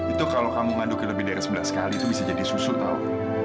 itu kalau kamu ngaduknya lebih dari sebelas kali itu bisa jadi susu tau